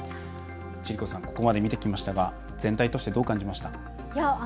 千里子さん、ここまで見てきましたが、全体通してどう感じました？